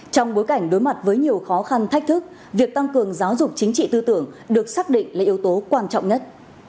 trong bối cảnh đối mặt với nhiều khó khăn thách thức việc tăng cường giáo dục chính trị tư tưởng được xác định là yếu tố quan trọng nhất